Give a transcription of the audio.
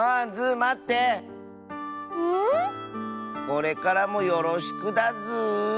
これからもよろしくだズー。